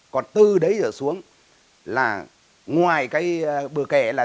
còn từ đấy rồi xuống là ngoài cái bờ kè là